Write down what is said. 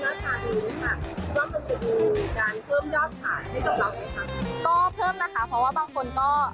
ก็เพิ่มนะค่ะเพราะว่าบางคนก็